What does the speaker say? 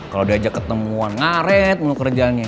kalo diajak ketemuan ngaret meluk kerjaannya